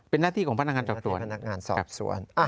เป็นหน้าที่ของพนักงานตรับส่วน